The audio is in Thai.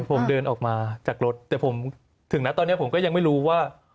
ผมเดินออกมาจากรถแต่ผมถึงนะตอนนี้ผมก็ยังไม่รู้ว่า